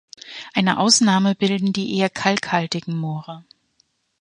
Eine Ausnahme bilden die eher kalkhaltigen Moore.